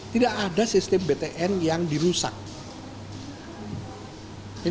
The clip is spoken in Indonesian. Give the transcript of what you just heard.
tidak ada sistem btn yang dirusak